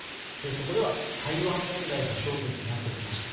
そこでは台湾問題が焦点になってきました。